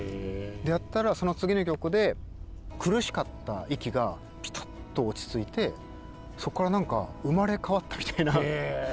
やったらその次の曲で苦しかった息がピタッと落ち着いてそこから何か生まれ変わったみたいな。